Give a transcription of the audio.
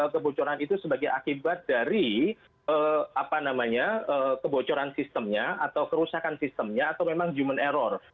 kebocoran itu sebagai akibat dari kebocoran sistemnya atau kerusakan sistemnya atau memang human error